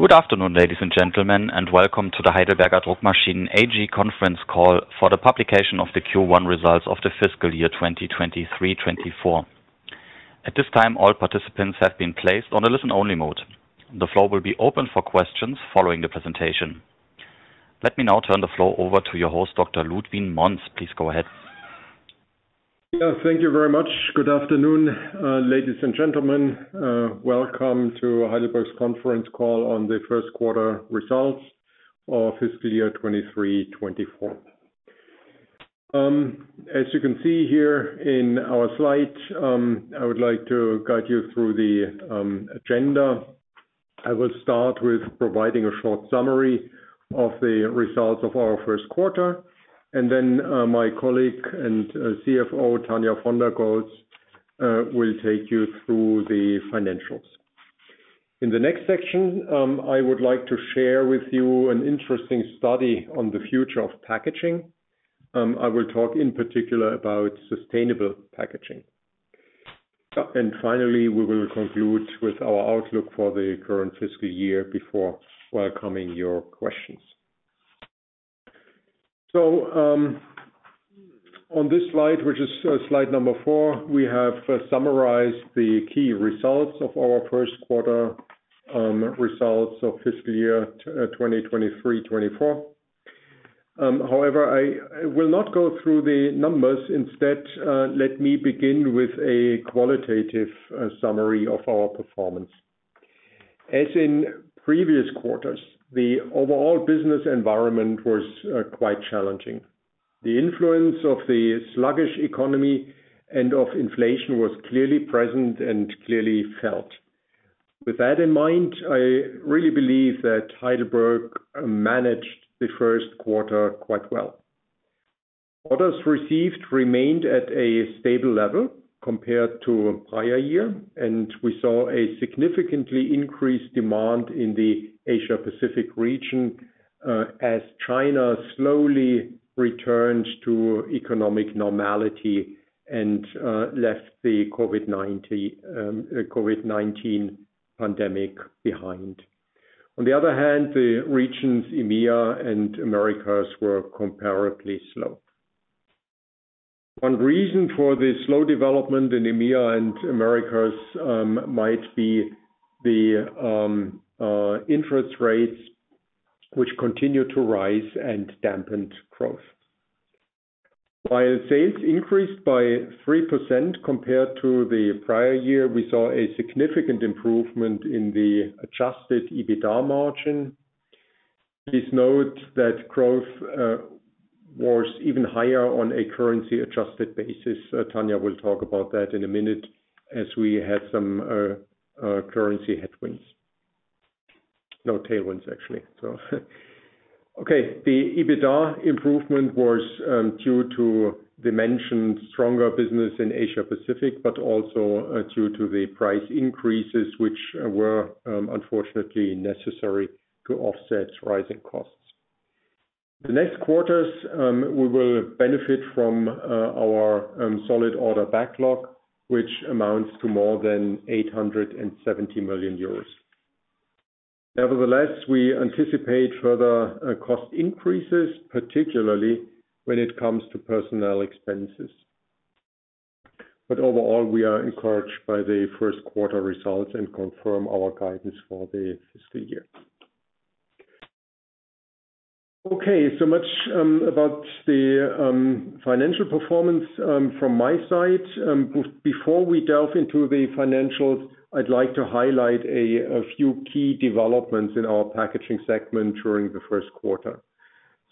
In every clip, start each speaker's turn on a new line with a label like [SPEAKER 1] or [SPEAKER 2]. [SPEAKER 1] Good afternoon, ladies and gentlemen, and welcome to the Heidelberger Druckmaschinen AG conference call for the publication of the Q1 results of the fiscal year 2023, 2024. At this time, all participants have been placed on a listen-only mode. The floor will be open for questions f``````ollowing the presentation. Let me now turn the floor over to your host, Dr. Ludger Monz. Please go ahead.
[SPEAKER 2] Yeah, thank you very much. Good afternoon, ladies and gentlemen, welcome to Heidelberg's conference call on the first quarter results of fiscal year 2023, 2024. As you can see here in our slide, I would like to guide you through the agenda. I will start with providing a short summary of the results of our first quarter, and then, my colleague and CFO, Tanja von der Goltz, will take you through the financials. In the next section, I would like to share with you an interesting study on the future of packaging. I will talk in particular about sustainable packaging. Finally, we will conclude with our outlook for the current fiscal year before welcoming your questions. On this slide, which is slide number four, we have summarized the key results of our first quarter, results of fiscal year 2023, 2024. However, I, I will not go through the numbers. Instead, let me begin with a qualitative summary of our performance. As in previous quarters, the overall business environment was quite challenging. The influence of the sluggish economy and of inflation was clearly present and clearly felt. With that in mind, I really believe that Heidelberg managed the first quarter quite well. Orders received remained at a stable level compared to prior year, and we saw a significantly increased demand in the Asia Pacific region, as China slowly returns to economic normality and left the COVID-19 pandemic behind. On the other hand, the regions EMEA and Americas were comparatively slow. One reason for the slow development in EMEA and Americas might be the interest rates, which continued to rise and dampened growth. While sales increased by 3% compared to the prior year, we saw a significant improvement in the adjusted EBITDA margin. Please note that growth was even higher on a currency-adjusted basis. Tanja will talk about that in a minute, as we had some currency headwinds. No, tailwinds, actually, so. Okay, the EBITDA improvement was due to the mentioned stronger business in Asia Pacific, but also due to the price increases, which were unfortunately necessary to offset rising costs. The next quarters, we will benefit from our solid order backlog, which amounts to more than 870 million euros. Nevertheless, we anticipate further cost increases, particularly when it comes to personnel expenses. Overall, we are encouraged by the first quarter results and confirm our guidance for the fiscal year. So much about the financial performance from my side. Before we delve into the financials, I'd like to highlight a few key developments in our packaging segment during the first quarter.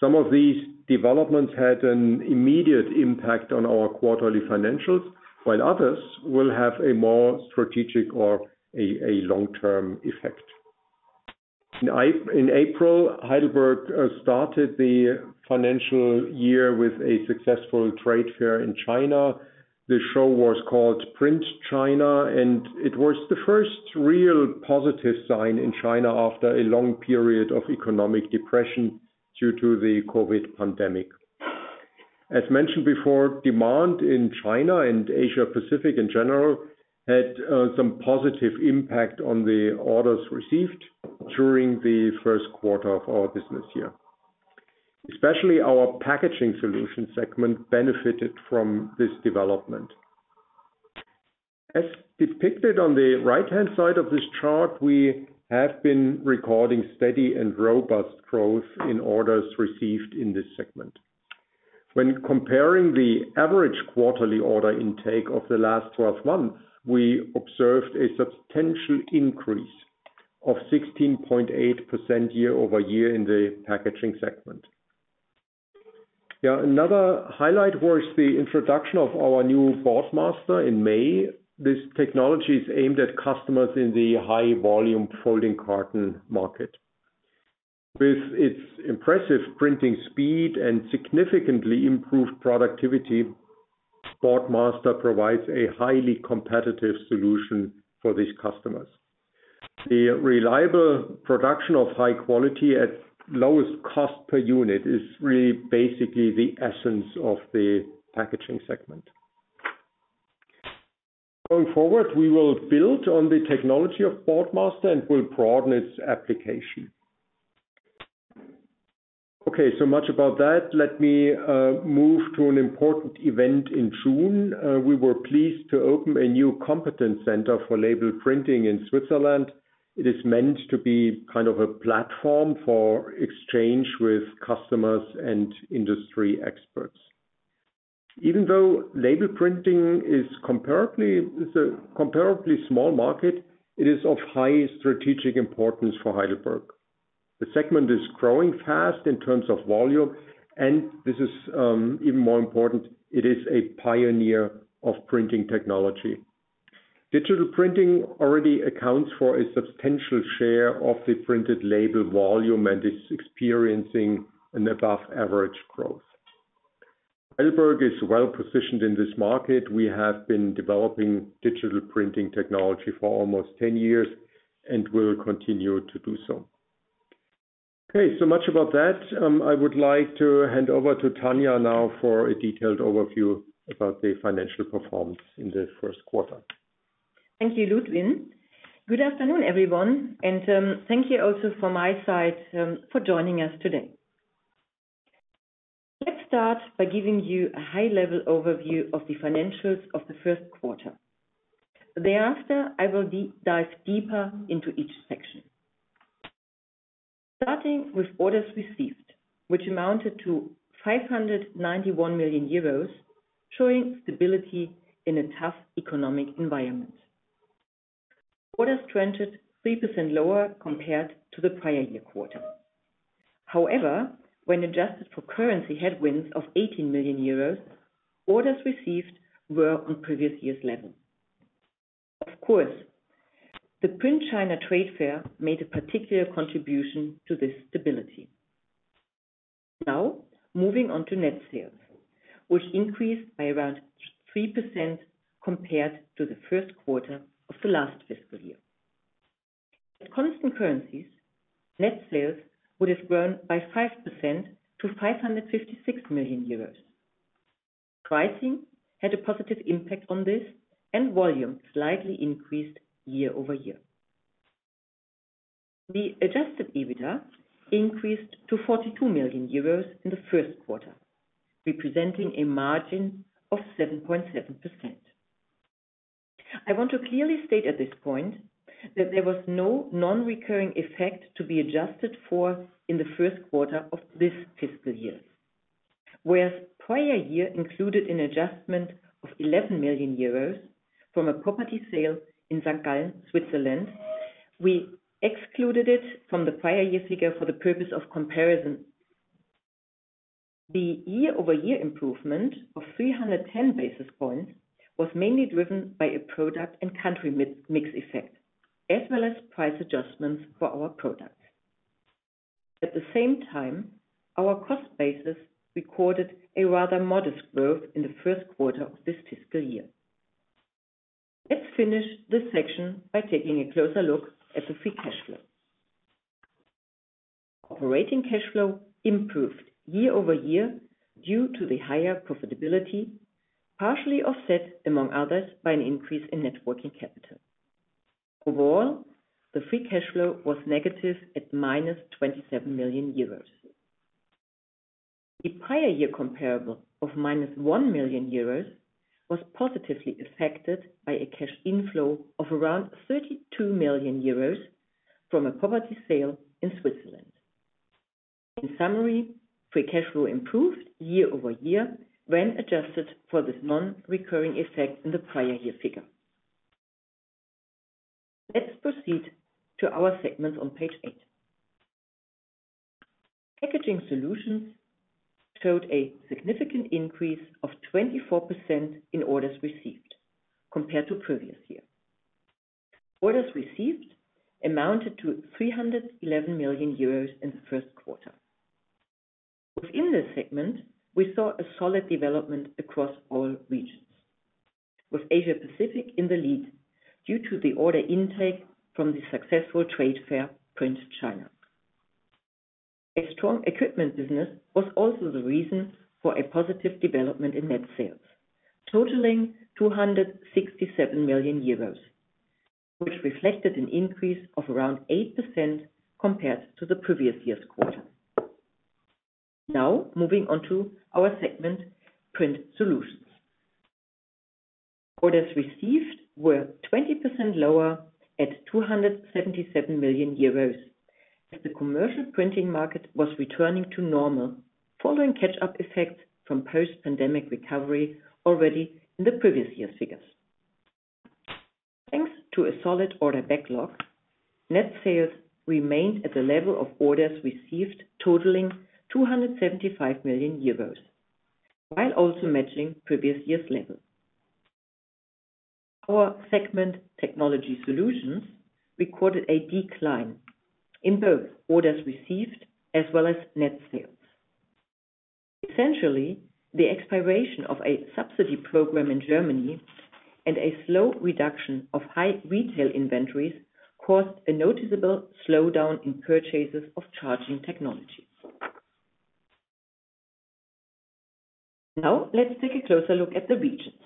[SPEAKER 2] Some of these developments had an immediate impact on our quarterly financials, while others will have a more strategic or a long-term effect. In April, Heidelberg started the financial year with a successful trade fair in China. The show was called Print China, and it was the first real positive sign in China after a long period of economic depression due to the COVID pandemic. As mentioned before, demand in China and Asia Pacific in general had some positive impact on the orders received during the first quarter of our business year. Especially our Packaging Solutions segment benefited from this development. As depicted on the right-hand side of this chart, we have been recording steady and robust growth in orders received in this segment. When comparing the average quarterly order intake of the last 12 months, we observed a substantial increase of 16.8% year-over-year in the packaging segment. Another highlight was the introduction of our new Boardmaster in May. This technology is aimed at customers in the high-volume folding carton market. With its impressive printing speed and significantly improved productivity, Boardmaster provides a highly competitive solution for these customers. The reliable production of high quality at lowest cost per unit is really basically the essence of the packaging segment. Going forward, we will build on the technology of Boardmaster and will broaden its application. Okay, so much about that. Let me move to an important event in June. We were pleased to open a new competence center for label printing in Switzerland. It is meant to be kind of a platform for exchange with customers and industry experts. Even though label printing is comparably, it's a comparably small market, it is of high strategic importance for Heidelberg. The segment is growing fast in terms of volume, and this is even more important, it is a pioneer of printing technology. digital printing already accounts for a substantial share of the printed label volume and is experiencing an above average growth. Heidelberg is well positioned in this market. We have been developing digital printing technology for almost 10 years and will continue to do so. Okay, so much about that. I would like to hand over to Tanja now for a detailed overview about the financial performance in the first quarter.
[SPEAKER 3] Thank you, Ludger. Good afternoon, everyone, and thank you also from my side for joining us today. Let's start by giving you a high-level overview of the financials of the first quarter. Thereafter, I will dive deeper into each section. Starting with orders received, which amounted to 591 million euros, showing stability in a tough economic environment. Orders trended 3% lower compared to the prior year quarter. However, when adjusted for currency headwinds of 80 million euros, orders received were on previous year's level. Of course, the Print China made a particular contribution to this stability. Now, moving on to net sales, which increased by around 3% compared to the first quarter of the last fiscal year. At constant currencies, net sales would have grown by 5% to 556 million euros. Pricing had a positive impact on this, volume slightly increased year-over-year. The adjusted EBITDA increased to 42 million euros in the first quarter, representing a margin of 7.7%. I want to clearly state at this point that there was no non-recurring effect to be adjusted for in the first quarter of this fiscal year. Whereas prior year included an adjustment of 11 million euros from a property sale in St. Gallen, Switzerland, we excluded it from the prior year figure for the purpose of comparison. The year-over-year improvement of 310 basis points was mainly driven by a product and country mix effect, as well as price adjustments for our products. At the same time, our cost basis recorded a rather modest growth in the first quarter of this fiscal year. Let's finish this section by taking a closer look at the free cash flow. Operating cash flow improved year-over-year due to the higher profitability, partially offset, among others, by an increase in net working capital. Overall, the free cash flow was negative at minus 27 million euros. The prior year comparable of minus 1 million euros was positively affected by a cash inflow of around 32 million euros from a property sale in Switzerland. In summary, free cash flow improved year-over-year when adjusted for this non-recurring effect in the prior year figure. Let's proceed to our segments on page eight. Packaging Solutions showed a significant increase of 24% in orders received compared to previous year. Orders received amounted to 311 million euros in the first quarter. Within this segment, we saw a solid development across all regions, with Asia Pacific in the lead due to the order intake from the successful trade fair, Print China. A strong equipment business was also the reason for a positive development in net sales, totaling 267 million euros, which reflected an increase of around 8% compared to the previous year's quarter. Now, moving on to our segment, Print Solutions. Orders received were 20% lower at 277 million euros, as the commercial printing market was returning to normal, following catch-up effects from post-pandemic recovery already in the previous year's figures. Thanks to a solid order backlog, net sales remained at the level of orders received, totaling 275 million euros, while also matching previous year's level. Our segment, Technology Solutions, recorded a decline in both orders received as well as net sales. Essentially, the expiration of a subsidy program in Germany and a slow reduction of high retail inventories caused a noticeable slowdown in purchases of charging technology. Now, let's take a closer look at the regions.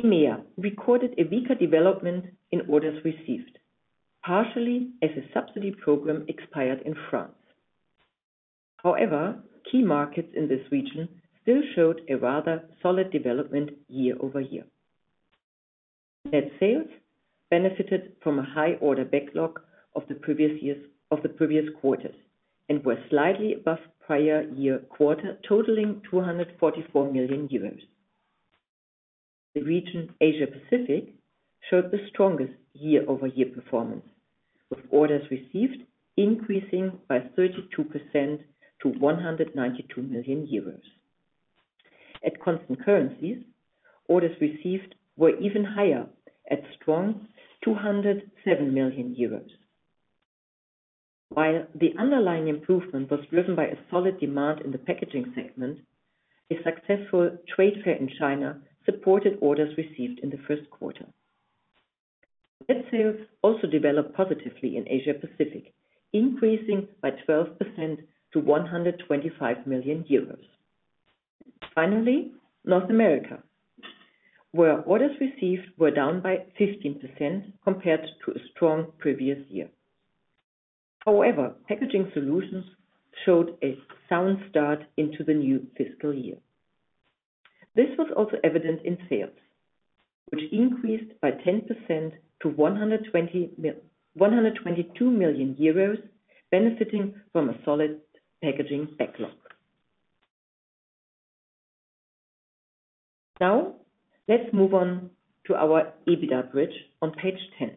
[SPEAKER 3] EMEA recorded a weaker development in orders received, partially as a subsidy program expired in France. However, key markets in this region still showed a rather solid development year-over-year. Net sales benefited from a high order backlog of the previous quarters, and were slightly above prior-year quarter, totaling 244 million euros. The region Asia Pacific, showed the strongest year-over-year performance, with orders received increasing by 32% to 192 million euros. At constant currencies, orders received were even higher at strong 207 million euros. While the underlying improvement was driven by a solid demand in the packaging segment, a successful trade fair in China supported orders received in the first quarter. Net sales also developed positively in Asia Pacific, increasing by 12% to 125 million euros. North America, where orders received were down by 15% compared to a strong previous year. Packaging Solutions showed a sound start into the new fiscal year. This was also evident in sales, which increased by 10% to 122 million euros, benefiting from a solid packaging backlog. Let's move on to our EBITDA bridge on page 10.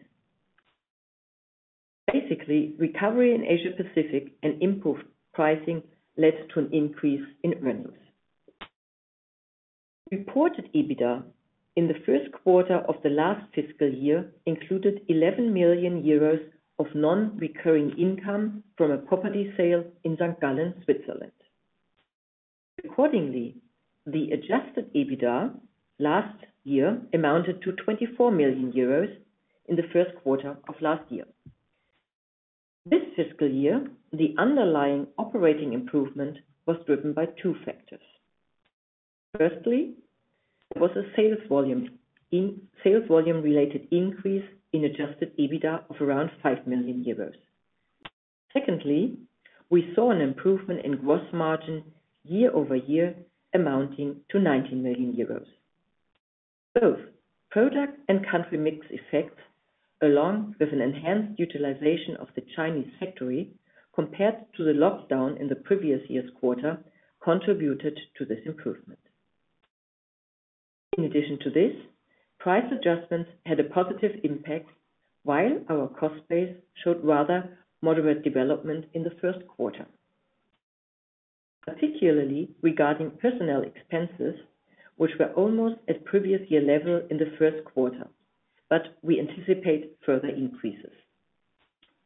[SPEAKER 3] Recovery in Asia Pacific and improved pricing led to an increase in revenues. Reported EBITDA in the first quarter of the last fiscal year included 11 million euros of non-recurring income from a property sale in St. Gallen, Switzerland. Accordingly, the adjusted EBITDA last year amounted to 24 million euros in the first quarter of last year. This fiscal year, the underlying operating improvement was driven by two factors. Firstly, was a sales volume, in sales volume-related increase in adjusted EBITDA of around 5 million euros. Secondly, we saw an improvement in gross margin year-over-year, amounting to 19 million euros. Both product and country mix effects, along with an enhanced utilization of the Chinese factory, compared to the lockdown in the previous year's quarter, contributed to this improvement. In addition to this, price adjustments had a positive impact, while our cost base showed rather moderate development in the first quarter. Particularly regarding personnel expenses, which were almost at previous-year level in the first quarter, we anticipate further increases.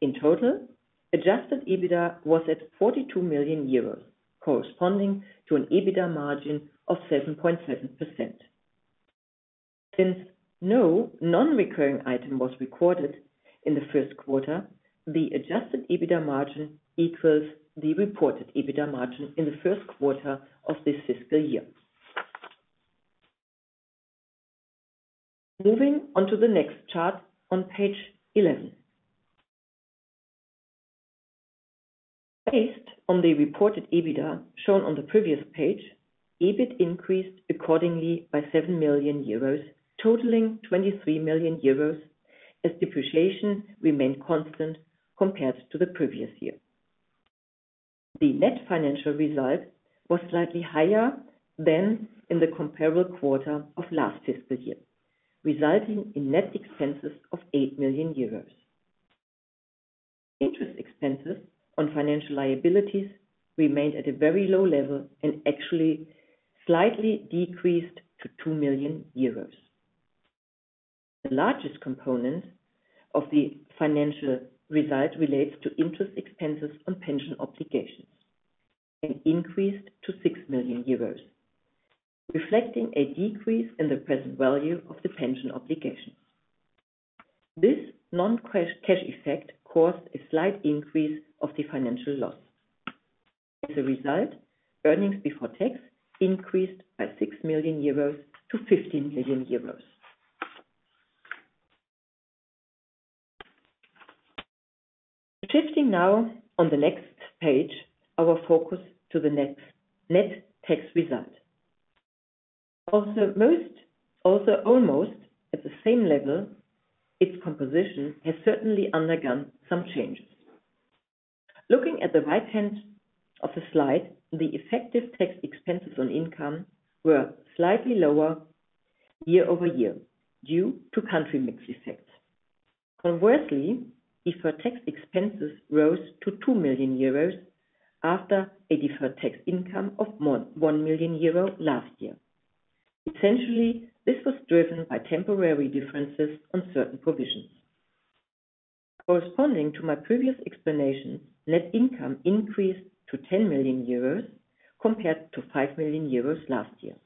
[SPEAKER 3] In total, adjusted EBITDA was at 42 million euros, corresponding to an EBITDA margin of 7.7%. Since no non-recurring item was recorded in the first quarter, the adjusted EBITDA margin equals the reported EBITDA margin in the first quarter of this fiscal year. Moving on to the next chart on page 11. Based on the reported EBITDA shown on the previous page, EBIT increased accordingly by 7 million euros, totaling 23 million euros, as depreciation remained constant compared to the previous-year. The net financial result was slightly higher than in the comparable quarter of last fiscal year, resulting in net expenses of 8 million euros. Interest expenses on financial liabilities remained at a very low level and actually slightly decreased to 2 million euros. The largest component of the financial result relates to interest expenses on pension obligations and increased to 6 million euros, reflecting a decrease in the present value of the pension obligations. This non-cash, cash effect caused a slight increase of the financial loss. As a result, earnings before tax increased by 6 million euros to 15 million euros. Shifting now on the next page, our focus to the net, net tax result. Also, almost at the same level, its composition has certainly undergone some changes. Looking at the right hand of the slide, the effective tax expenses on income were slightly lower year-over-year due to country mix effects. Conversely, deferred tax expenses rose to 2 million euros after a deferred tax income of 1 million euro last year. Essentially, this was driven by temporary differences on certain provisions. Corresponding to my previous explanation, net income increased to 10 million euros compared to 5 million euros last year.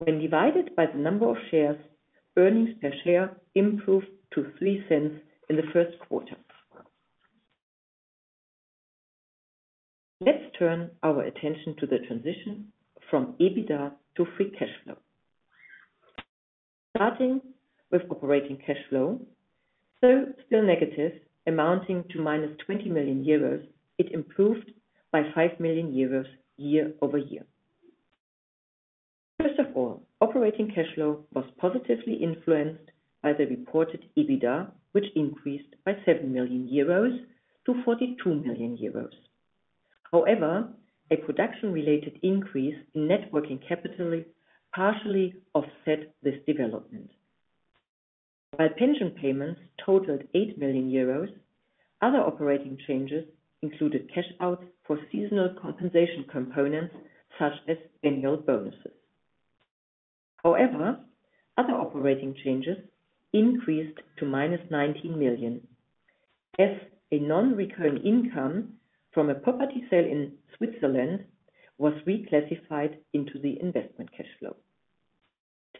[SPEAKER 3] When divided by the number of shares, earnings per share improved to 0.03 in the first quarter. Let's turn our attention to the transition from EBITDA to free cash flow. Starting with operating cash flow, though still negative, amounting to minus 20 million euros, it improved by 5 million euros year-over-year. First of all, operating cash flow was positively influenced by the reported EBITDA, which increased by 7 million euros to 42 million euros. However, a production-related increase in net working capital partially offset this development. While pension payments totaled 8 million euros, other operating changes included cash outs for seasonal compensation components, such as annual bonuses. However, other operating changes increased to -19 million, as a non-recurring income from a property sale in Switzerland was reclassified into the investment cash flow.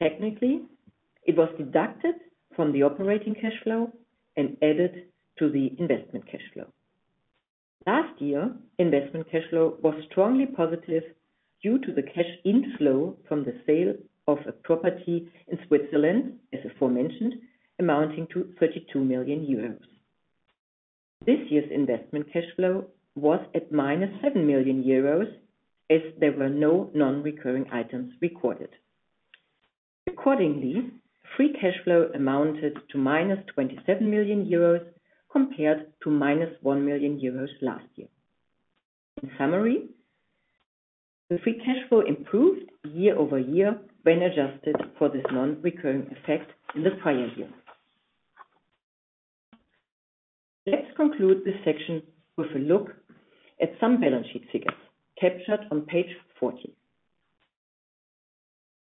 [SPEAKER 3] Technically, it was deducted from the operating cash flow and added to the investment cash flow. Last year, investment cash flow was strongly positive due to the cash inflow from the sale of a property in Switzerland, as aforementioned, amounting to 32 million euros. This year's investment cash flow was at -7 million euros, as there were no non-recurring items recorded. Accordingly, free cash flow amounted to -27 million euros compared to -1 million euros last year. In summary, the free cash flow improved year-over-year when adjusted for this non-recurring effect in the prior year. Let's conclude this section with a look at some balance sheet figures captured on page 14.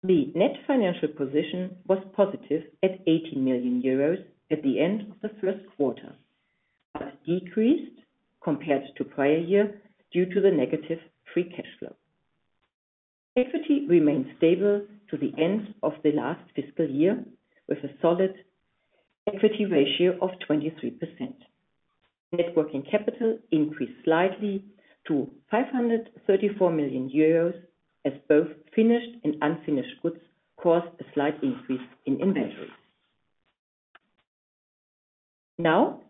[SPEAKER 3] The net financial position was positive at 80 million euros at the end of the 1st quarter, but decreased compared to prior year due to the negative free cash flow. Equity remained stable to the end of the last fiscal year, with a solid equity ratio of 23%. Net working capital increased slightly to 534 million euros, as both finished and unfinished goods caused a slight increase in inventory. Now,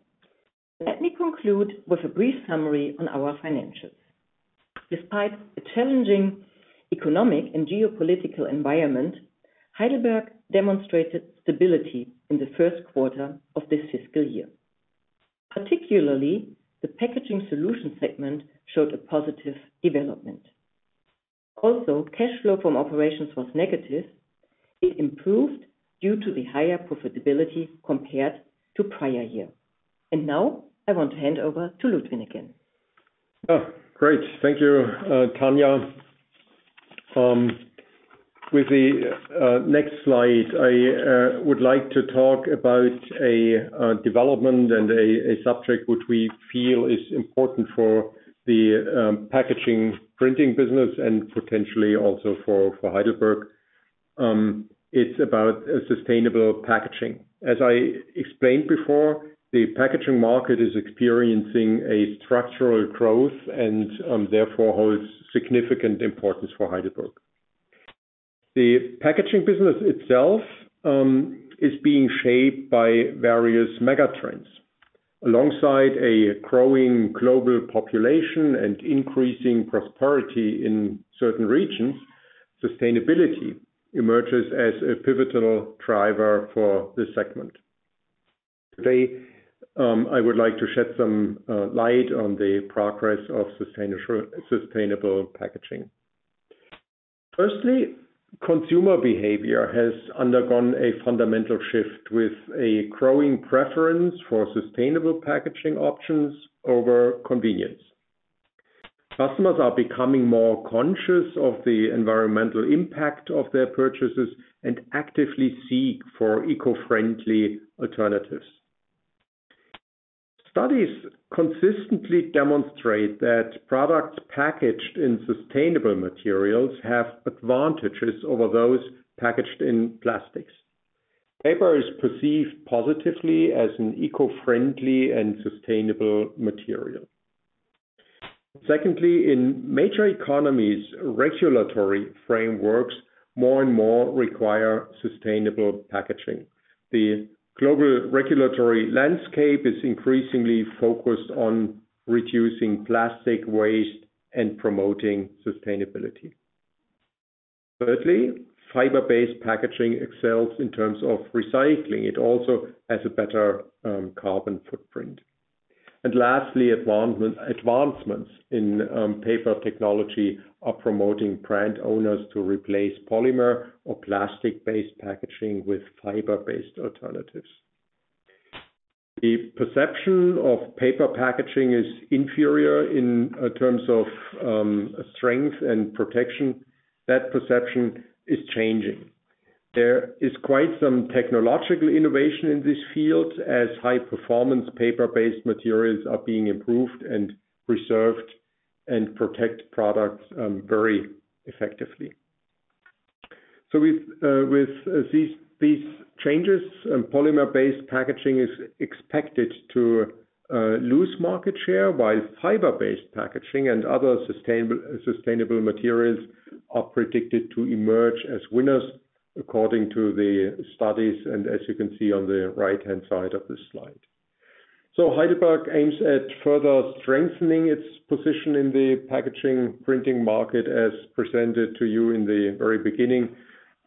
[SPEAKER 3] let me conclude with a brief summary on our financials. Despite a challenging economic and geopolitical environment, Heidelberg demonstrated stability in the 1st quarter of this fiscal year. Particularly, the Packaging Solutions segment showed a positive development. Cash flow from operations was negative. It improved due to the higher profitability compared to prior year. Now I want to hand over to Ludger again.
[SPEAKER 2] Oh, great. Thank you, Tanja. With the next slide, I would like to talk about a development and a subject which we feel is important for the packaging printing business and potentially also for, for Heidelberg. It's about a sustainable packaging. As I explained before, the packaging market is experiencing a structural growth and, therefore, holds significant importance for Heidelberg. The packaging business itself is being shaped by various mega trends. Alongside a growing global population and increasing prosperity in certain regions, sustainability emerges as a pivotal driver for this segment. Today, I would like to shed some light on the progress of sustainable packaging. Firstly, consumer behavior has undergone a fundamental shift, with a growing preference for sustainable packaging options over convenience. Customers are becoming more conscious of the environmental impact of their purchases and actively seek for eco-friendly alternatives. Studies consistently demonstrate that products packaged in sustainable materials have advantages over those packaged in plastics. Paper is perceived positively as an eco-friendly and sustainable material. Secondly, in major economies, regulatory frameworks, more and more require sustainable packaging. The global regulatory landscape is increasingly focused on reducing plastic waste and promoting sustainability. Thirdly, fiber-based packaging excels in terms of recycling. It also has a better carbon footprint. Lastly, advancements in paper technology are promoting brand owners to replace polymer or plastic-based packaging with fiber-based alternatives. The perception of paper packaging is inferior in terms of strength and protection. That perception is changing. There is quite some technological innovation in this field, as high-performance paper-based materials are being improved and preserved and protect products very effectively. With these changes, polymer-based packaging is expected to lose market share, while fiber-based packaging and other sustainable materials are predicted to emerge as winners, according to the studies, and as you can see on the right-hand side of this slide. Heidelberg aims at further strengthening its position in the packaging printing market, as presented to you in the very beginning.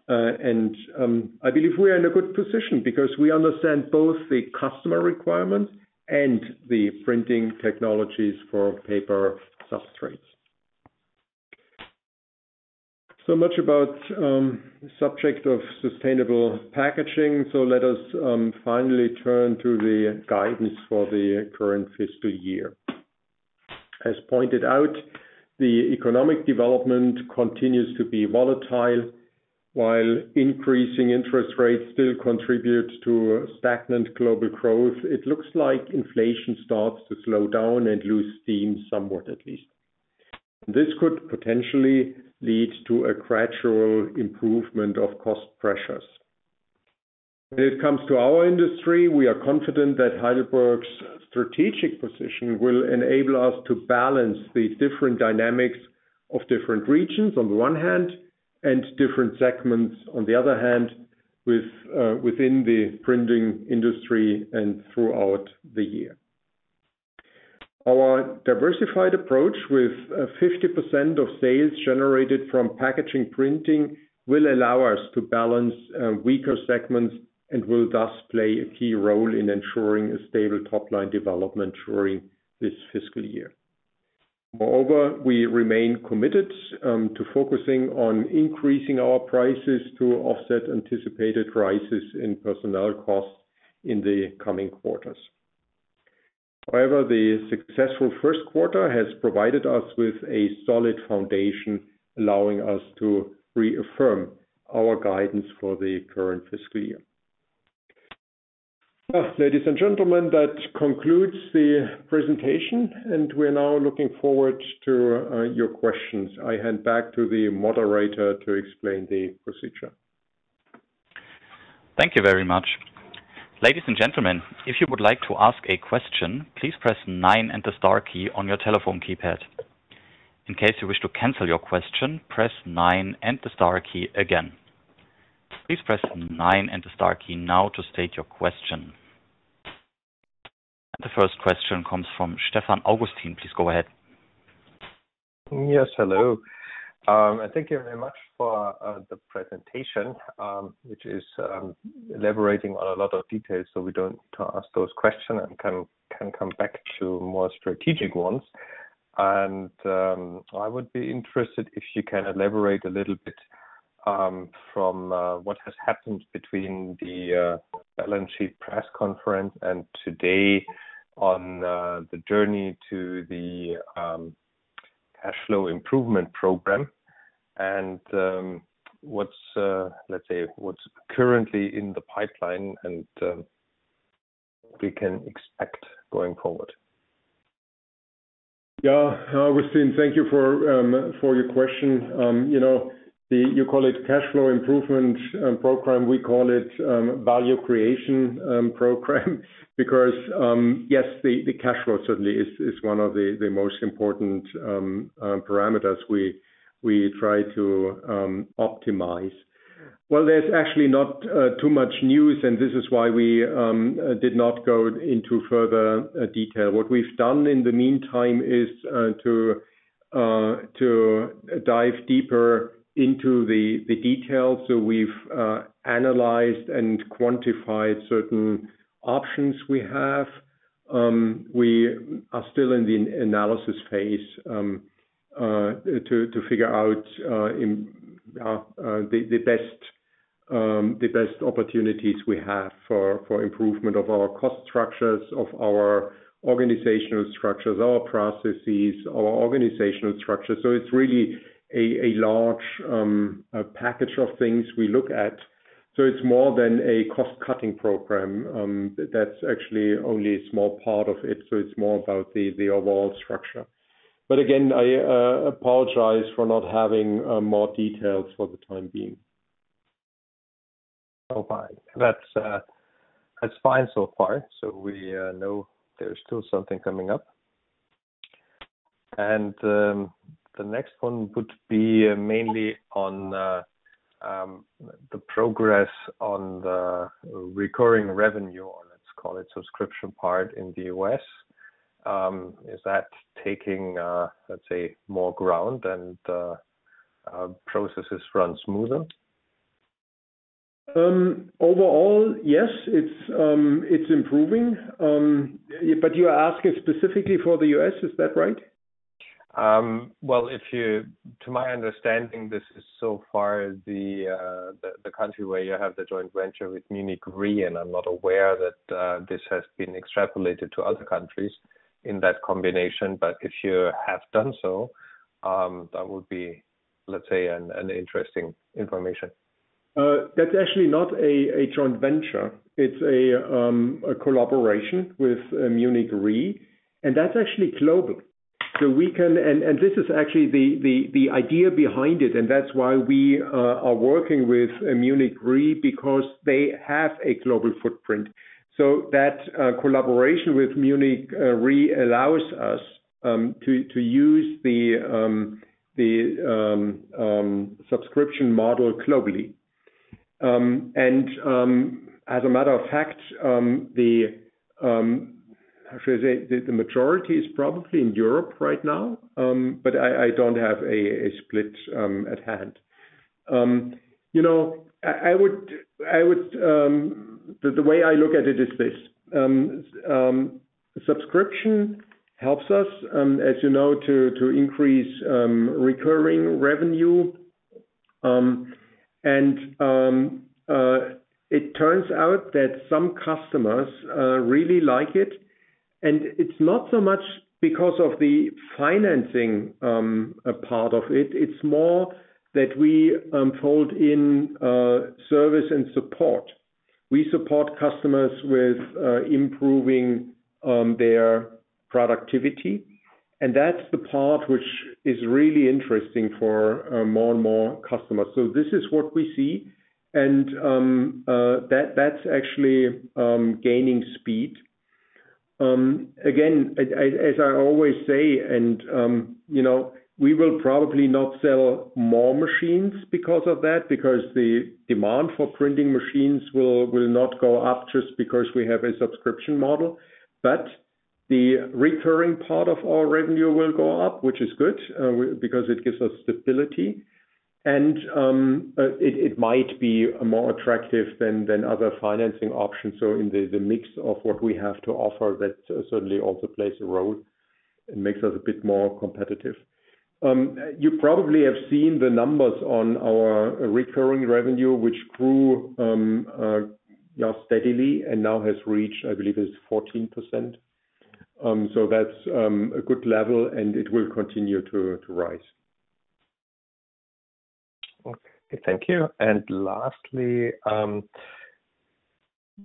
[SPEAKER 2] I believe we are in a good position because we understand both the customer requirements and the printing technologies for paper substrates. Much about subject of sustainable packaging. Let us finally turn to the guidance for the current fiscal year. As pointed out, the economic development continues to be volatile, while increasing interest rates still contribute to stagnant global growth. It looks like inflation starts to slow down and lose steam, somewhat at least. This could potentially lead to a gradual improvement of cost pressures. When it comes to our industry, we are confident that Heidelberg's strategic position will enable us to balance the different dynamics of different regions, on the one hand, and different segments on the other hand, with, within the printing industry and throughout the year. Our diversified approach, with, 50% of sales generated from packaging printing, will allow us to balance, weaker segments and will thus play a key role in ensuring a stable top-line development during this fiscal year. Moreover, we remain committed, to focusing on increasing our prices to offset anticipated rises in personnel costs in the coming quarters. However, the successful first quarter has provided us with a solid foundation, allowing us to reaffirm our guidance for the current fiscal year. Ladies and gentlemen, that concludes the presentation, and we're now looking forward to your questions. I hand back to the moderator to explain the procedure.
[SPEAKER 1] Thank you very much. Ladies and gentlemen, if you would like to ask a question, please press 9 and the star key on your telephone keypad. In case you wish to cancel your question, press 9 and the star key again. Please press 9 and the star key now to state your question. The first question comes from Stefan Augustin. Please go ahead.
[SPEAKER 4] Yes, hello. Thank you very much for the presentation, which is elaborating on a lot of details, so we don't ask those questions and can, can come back to more strategic ones. I would be interested if you can elaborate a little bit from what has happened between the balance sheet press conference and today on the journey to the cash flow improvement program. What's, let's say, what's currently in the pipeline and, we can expect going forward?
[SPEAKER 2] Yeah. Stefan, thank you for your question. You know, you call it cash flow improvement program. We call it value creation program, because, yes, the cash flow certainly is one of the most important parameters we try to optimize. There's actually not too much news. This is why we did not go into further detail. What we've done in the meantime is to dive deeper into the details. We've analyzed and quantified certain options we have. We are still in the analysis phase to figure out the best opportunities we have for improvement of our cost structures, of our organizational structures, our processes, our organizational structure. It's really a, a large package of things we look at. It's more than a cost-cutting program. That's actually only a small part of it, so it's more about the, the overall structure. Again, I apologize for not having more details for the time being.
[SPEAKER 4] Oh, fine. That's, that's fine so far. We know there's still something coming up. The next one would be mainly on the progress on the recurring revenue, or let's call it subscription part in the US. Is that taking, let's say, more ground and processes run smoother?
[SPEAKER 2] Overall, yes, it's, it's improving. You are asking specifically for the U.S., is that right?
[SPEAKER 4] Well, if you-- to my understanding, this is so far the, the, the country where you have the joint venture with Munich Re, and I'm not aware that this has been extrapolated to other countries in that combination. But if you have done so, that would be, let's say, an, an interesting information.
[SPEAKER 2] That's actually not a joint venture. It's a collaboration with Munich Re, and that's actually global. We can-- and this is actually the idea behind it, and that's why we are working with Munich Re, because they have a global footprint. That collaboration with Munich Re allows us to use the subscription model globally. As a matter of fact, how should I say? The majority is probably in Europe right now, but I don't have a split at hand. You know, I would, the way I look at it is this: subscription helps us, as you know, to increase recurring revenue. It turns out that some customers really like it, and it's not so much because of the financing part of it. It's more that we fold in service and support. We support customers with improving their productivity, and that's the part which is really interesting for more and more customers. This is what we see, that, that's actually gaining speed. As, as I always say, you know, we will probably not sell more machines because of that, because the demand for printing machines will, will not go up just because we have a subscription model. The recurring part of our revenue will go up, which is good because it gives us stability, and it, it might be more attractive than, than other financing options. In the, the mix of what we have to offer, that certainly also plays a role and makes us a bit more competitive. You probably have seen the numbers on our recurring revenue, which grew steadily and now has reached, I believe, it's 14%. That's a good level, and it will continue to, to rise.
[SPEAKER 4] Lastly,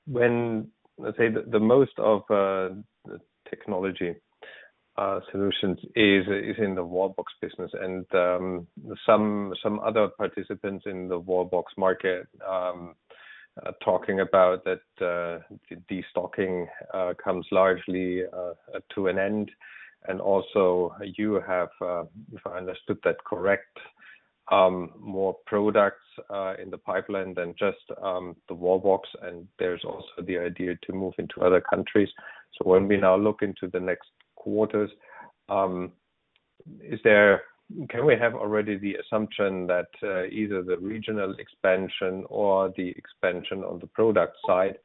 [SPEAKER 4] when, let's say, the, the most of the technology solutions is, is in the Wallbox business, and some, some other participants in the Wallbox market are talking about that the destocking comes largely to an end. Also, you have, if I understood that correct, more products in the pipeline than just the Wallbox, and there's also the idea to move into other countries. When we now look into the next quarters, can we have already the assumption that either the regional expansion or the expansion on the product side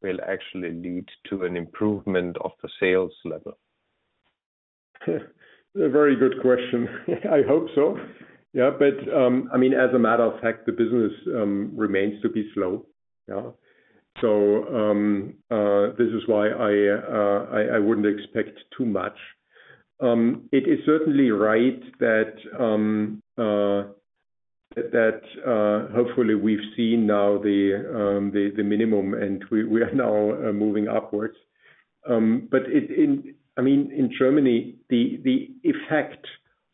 [SPEAKER 4] will actually lead to an improvement of the sales level?
[SPEAKER 2] A very good question. I hope so. I mean, as a matter of fact, the business remains to be slow. This is why I wouldn't expect too much. It is certainly right that hopefully, we've seen now the minimum, and we are now moving upwards. I mean, in Germany, the effect of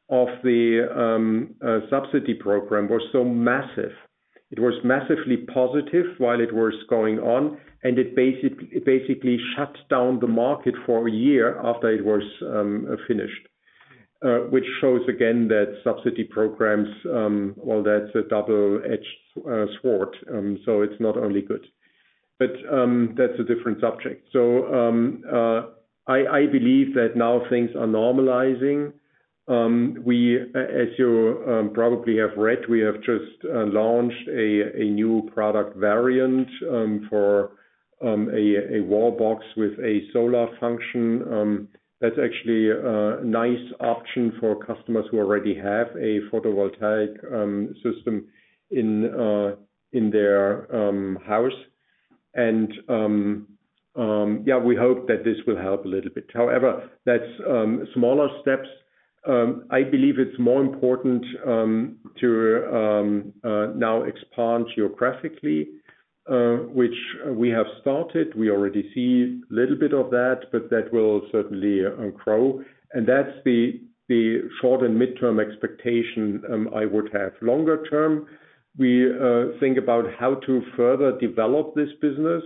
[SPEAKER 2] the subsidy program was so massive. It was massively positive while it was going on, and it basically shut down the market for a year after it was finished. Which shows again that subsidy programs, well, that's a double-edged sword, so it's not only good. That's a different subject. I believe that now things are normalizing. We, a- as you, probably have read, we have just launched a new product variant for a Wallbox with a solar function. That's actually a nice option for customers who already have a photovoltaic system in their house. Yeah, we hope that this will help a little bit. However, that's smaller steps. I believe it's more important to now expand geographically, which we have started. We already see a little bit of that, but that will certainly grow. That's the, the short- and midterm expectation I would have. Longer term, we think about how to further develop this business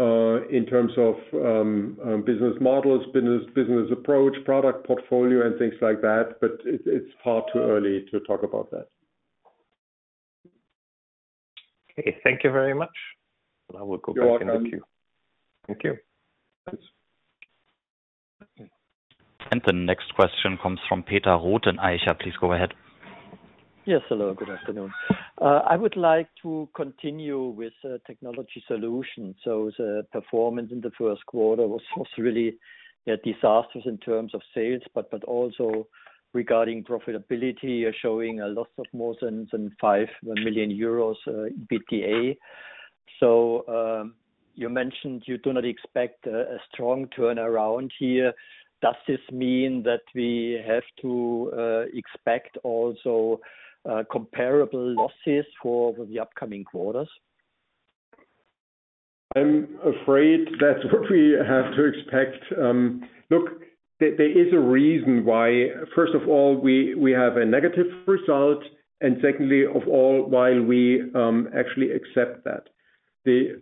[SPEAKER 2] in terms of business models, business, business approach, product portfolio and things like that, but it's far too early to talk about that.
[SPEAKER 4] Okay. Thank you very much. I will go back in the queue.
[SPEAKER 2] You're welcome.
[SPEAKER 4] Thank you.
[SPEAKER 2] Thanks.
[SPEAKER 1] The next question comes from Peter Rothenbuecher. Please go ahead.
[SPEAKER 5] Yes, hello, good afternoon. I would like to continue with Technology Solutions. The performance in the first quarter was, was really disastrous in terms of sales, but, but also regarding profitability, you're showing a loss of more than 5 million euros in EBITDA. You mentioned you do not expect a strong turnaround here. Does this mean that we have to expect also comparable losses for the upcoming quarters?
[SPEAKER 2] I'm afraid that's what we have to expect. Look, there, there is a reason why, first of all, we, we have a negative result, and secondly, of all, why we actually accept that. The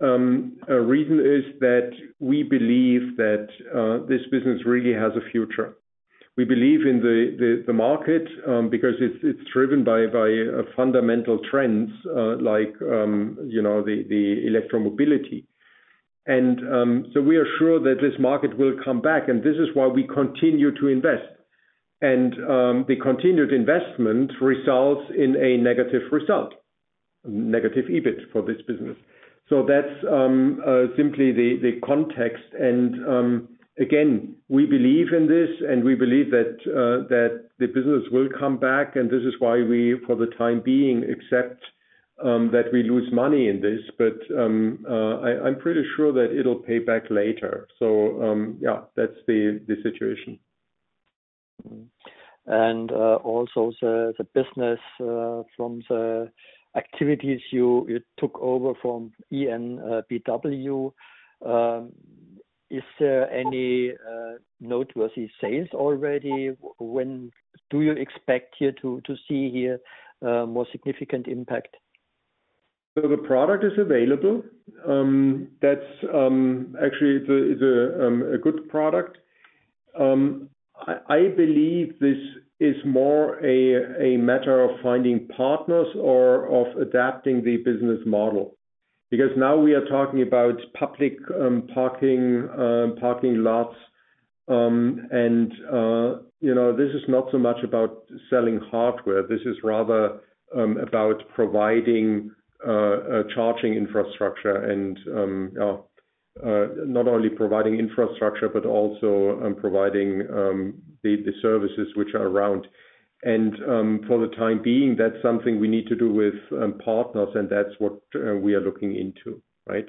[SPEAKER 2] reason is that we believe that this business really has a future. We believe in the, the, the market, because it's, it's driven by, by fundamental trends, like, you know, the, the electromobility. We are sure that this market will come back, and this is why we continue to invest. The continued investment results in a negative result, negative EBIT for this business. That's simply the context and again, we believe in this, and we believe that the business will come back, and this is why we, for the time being, accept that we lose money in this. I, I'm pretty sure that it'll pay back later. Yeah, that's the, the situation.
[SPEAKER 5] Also the business from the activities you took over from EnBW. Is there any noteworthy sales already? When do you expect here to see here more significant impact?
[SPEAKER 2] The product is available. That's, actually, it's a good product. I, I believe this is more a matter of finding partners or of adapting the business model. Now we are talking about public parking, parking lots, and, you know, this is not so much about selling hardware. This is rather about providing a charging infrastructure and not only providing infrastructure but also providing the services which are around. For the time being, that's something we need to do with partners, and that's what we are looking into, right?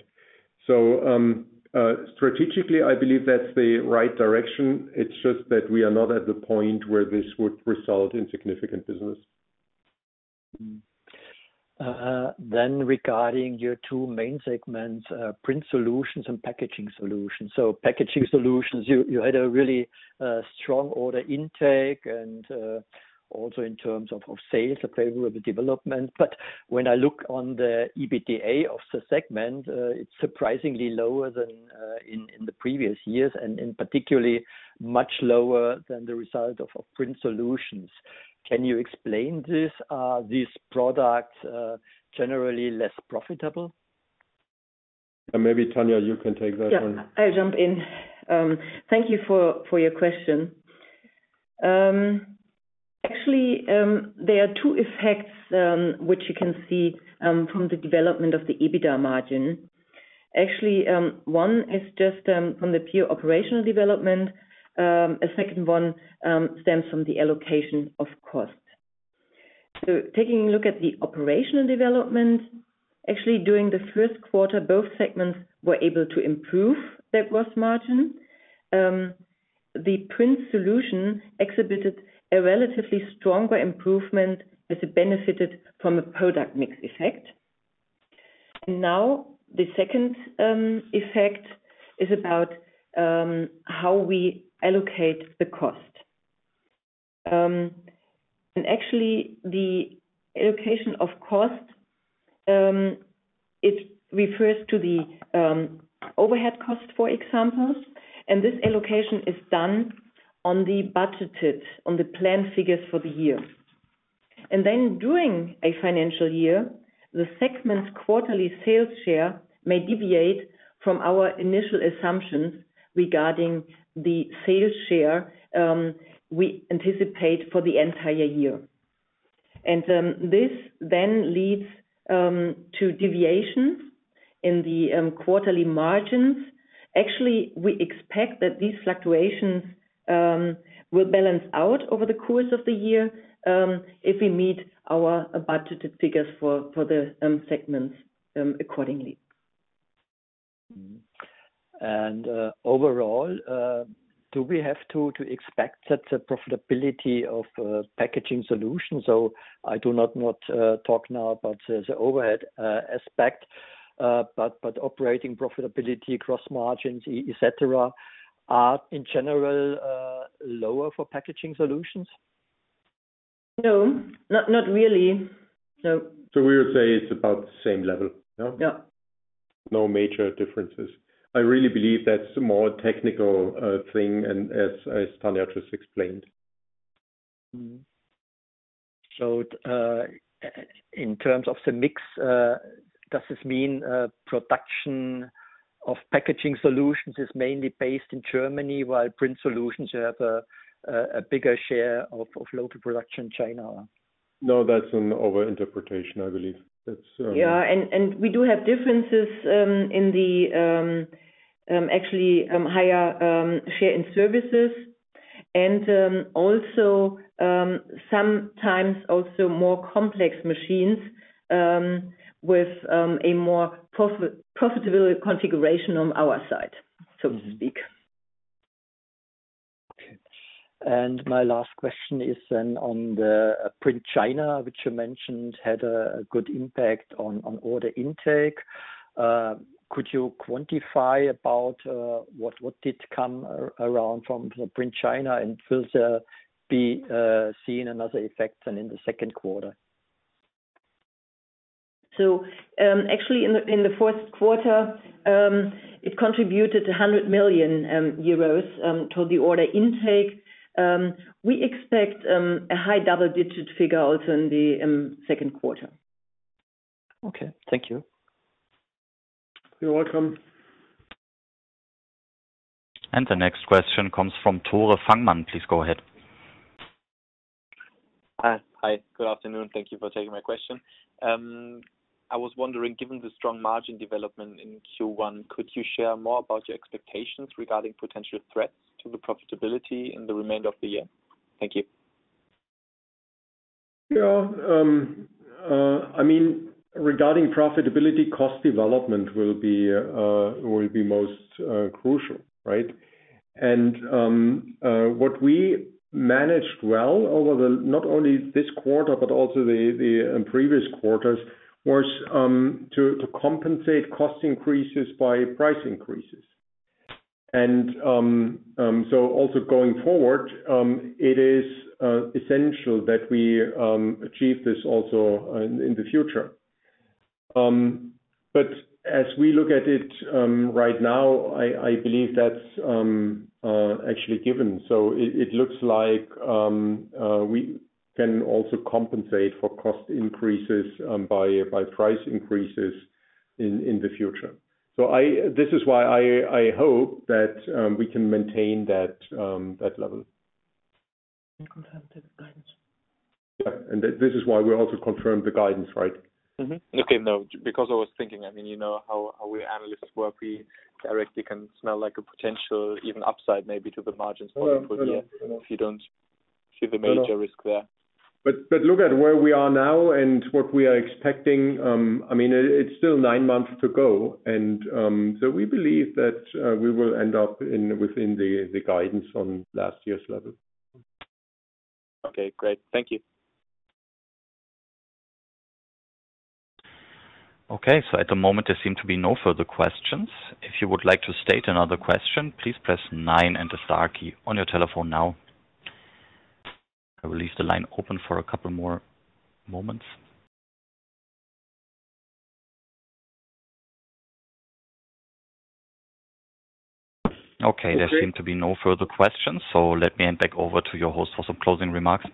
[SPEAKER 2] Strategically, I believe that's the right direction. It's just that we are not at the point where this would result in significant business.
[SPEAKER 5] Regarding your two main segments, Print Solutions and Packaging Solutions. Packaging Solutions, you, you had a really strong order intake and also in terms of sales, a favorable development. When I look on the EBITDA of the segment, it's surprisingly lower than in the previous years, and in particularly, much lower than the result of Print Solutions. Can you explain this? Are these products generally less profitable?
[SPEAKER 2] Maybe, Tanja, you can take that one.
[SPEAKER 3] Yeah, I'll jump in. Thank you for, for your question. Actually, there are two effects which you can see from the development of the EBITDA margin. Actually, one is just from the pure operational development, a second one stems from the allocation of cost. Taking a look at the operational development, actually, during the first quarter, both segments were able to improve their gross margin. The Print Solutions exhibited a relatively stronger improvement as it benefited from a product mix effect. The second effect is about how we allocate the cost. Actually, the allocation of cost, it refers to the overhead cost, for example, and this allocation is done on the budgeted, on the planned figures for the year. Then, during a financial year, the segment's quarterly sales share may deviate from our initial assumptions regarding the sales share, we anticipate for the entire year. This then leads to deviations in the quarterly margins. Actually, we expect that these fluctuations will balance out over the course of the year, if we meet our budgeted figures for, for the segments accordingly.
[SPEAKER 5] Mm. Overall, do we have to, to expect that the profitability of Packaging Solutions, so I do not, not, talk now about the, the overhead, aspect, but, but operating profitability, cross margins, et cetera, are, in general, lower for Packaging Solutions?
[SPEAKER 3] No. Not, not really. No.
[SPEAKER 2] We would say it's about the same level, no?
[SPEAKER 3] Yeah.
[SPEAKER 2] No major differences. I really believe that's a more technical thing and as Tanja just explained.
[SPEAKER 5] In terms of the mix, does this mean, production of Packaging Solutions is mainly based in Germany, while Print Solutions have a bigger share of local production in China?
[SPEAKER 2] No, that's an overinterpretation, I believe. That's.
[SPEAKER 3] Yeah, and, and we do have differences, in the, actually, higher, share in services. Also, sometimes also more complex machines, with, a more profit, profitable configuration on our side, so to speak.
[SPEAKER 5] My last question is then on the Print China, which you mentioned had a, a good impact on, on order intake. Could you quantify about what did come around from the Print China, and will there be seen another effect then in the second quarter?
[SPEAKER 3] Actually, in the first quarter, it contributed 100 million euros toward the order intake. We expect a high double-digit figure also in the second quarter.
[SPEAKER 5] Okay, thank you.
[SPEAKER 2] You're welcome.
[SPEAKER 1] The next question comes from Tore Fangmann. Please go ahead.
[SPEAKER 6] Hi. Good afternoon. Thank you for taking my question. I was wondering, given the strong margin development in Q1, could you share more about your expectations regarding potential threats to the profitability in the remainder of the year? Thank you.
[SPEAKER 2] Yeah, I mean, regarding profitability, cost development will be most crucial, right? What we managed well over the, not only this quarter, but also the, the previous quarters, was to compensate cost increases by price increases. Also going forward, it is essential that we achieve this also in the future. As we look at it right now, I, I believe that's actually given. It, it looks like we can also compensate for cost increases by price increases in the future. This is why I, I hope that we can maintain that level.
[SPEAKER 3] Confirm the guidance.
[SPEAKER 2] Yeah, this is why we also confirm the guidance, right?
[SPEAKER 6] Mm-hmm. Okay. No, because I was thinking, I mean, you know, how we analysts work, we directly can smell like a potential, even upside maybe to the margins for the year, if you don't see the major risk there.
[SPEAKER 2] but look at where we are now and what we are expecting, I mean, it's still 9 months to go, and so we believe that we will end up within the guidance on last year's level.
[SPEAKER 6] Okay, great. Thank you.
[SPEAKER 1] At the moment, there seem to be no further questions. If you would like to state another question, please press 9 and the star key on your telephone now. I will leave the line open for a couple more moments. There seem to be no further questions, let me hand back over to your host for some closing remarks.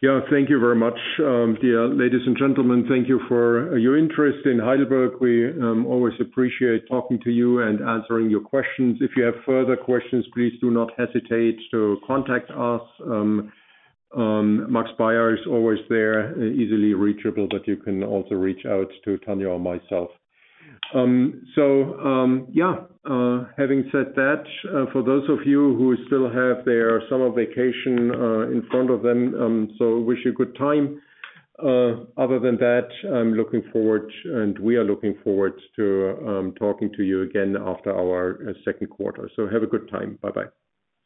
[SPEAKER 2] Yeah, thank you very much. Dear ladies and gentlemen, thank you for your interest in Heidelberg. We always appreciate talking to you and answering your questions. If you have further questions, please do not hesitate to contact us, Maximilian Biber is always there, easily reachable, you can also reach out to Tanja or myself. Yeah, having said that, for those of you who still have their summer vacation in front of them, wish you good time. Other than that, I'm looking forward, we are looking forward to talking to you again after our second quarter. Have a good time. Bye-bye.